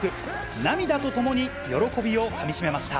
涙とともに、喜びをかみしめました。